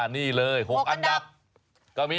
นี่เลย๖อันดับ